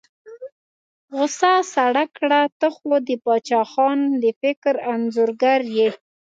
غوسه سړه کړه، ته خو د باچا خان د فکر انځورګر یې.